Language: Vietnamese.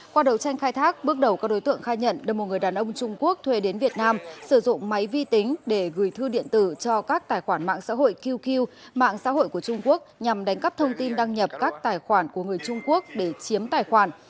qua đầu tranh khai thác bước đầu các đối tượng khai nhận được một người đàn ông trung quốc thuê đến việt nam sử dụng máy vi tính để gửi thư điện tử cho các tài khoản mạng xã hội qq mạng xã hội của trung quốc nhằm đánh cắp thông tin đăng nhập các tài khoản của người trung quốc để chiếm tài khoản